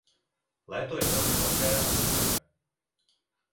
Léto je velmi horké a suché.